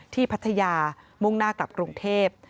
พัทยามุ่งหน้ากลับกรุงเทพ